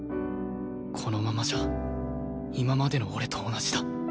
このままじゃ今までの俺と同じだ。